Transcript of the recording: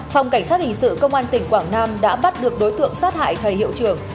phòng cảnh sát hình sự công an tỉnh quảng nam đã bắt được đối tượng sát hại thầy hiệu trưởng